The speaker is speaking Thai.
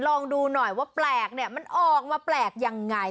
ลองดูหน่อยว่าแปลกเนี่ยมันออกมาแปลกยังไง